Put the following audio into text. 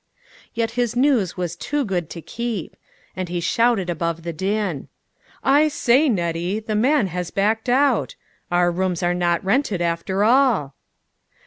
Yet his news was too good to keep; and he shouted above the din :" I say, Nettie, the man has backed out! Our rooms are not rented, after all."